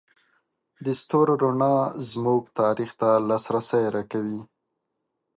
د ستورو رڼا زموږ تاریخ ته لاسرسی راکوي.